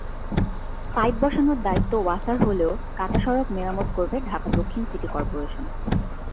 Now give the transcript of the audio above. Pipe বসানোর দায়িত্ব ওয়াসার হলেও কাটা সড়ক মেরামত করবে ঢাকা দক্ষিণ সিটি করপোরেশন।